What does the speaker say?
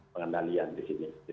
pengendalian di sini